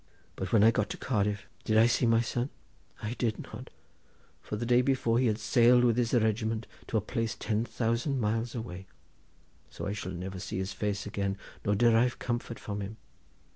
But when I got to Cardiff did I see my son? I did not, for the day before he had sailed with his regiment to a place ten thousand miles away, so I shall never see his face again nor derive comfort from him.